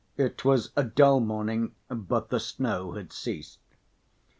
It was a dull morning, but the snow had ceased.